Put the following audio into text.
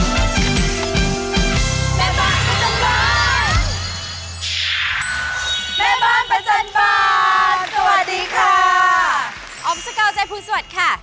เมื่อพูดได้